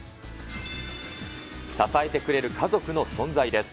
支えてくれる家族の存在です。